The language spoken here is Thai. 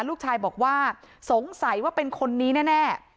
ลูกชายบอกว่าสงสัยว่าเป็นคนนี้แน่